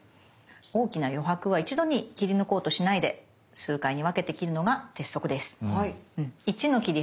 大きな余白は一度に切り抜こうとしないで数回に分けて切るのが鉄則です。